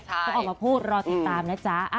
ต้องออกมาพูดรอติดตามนะจ๊ะ